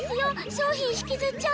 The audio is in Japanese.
商品引きずっちゃ。